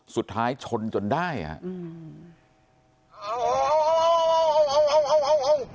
สุดท้ายชนจนได้อ่ะอืม